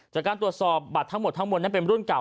จากการตรวจสอบบัตรทั้งหมดทั้งมวลนั้นเป็นรุ่นเก่า